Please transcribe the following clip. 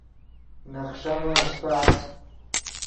نے خݰیمے اشپہ اَس